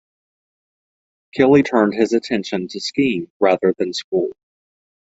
Killy turned his attention to skiing rather than school.